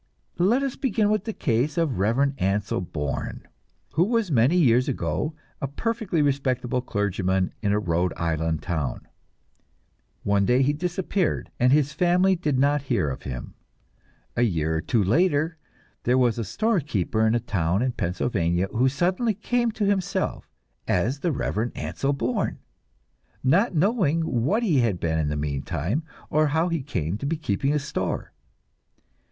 Let us begin with the case of the Reverend Ansel Bourne, who was many years ago a perfectly respectable clergyman in a Rhode Island town. One day he disappeared, and his family did not hear of him. A year or two later there was a store keeper in a town in Pennsylvania, who suddenly came to himself as the Reverend Ansel Bourne, not knowing what he had been in the meantime, or how he came to be keeping a store.